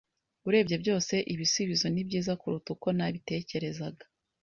Urebye byose, ibisubizo nibyiza kuruta uko nabitekerezaga.